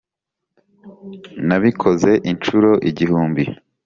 nabikoze inshuro igihumbi.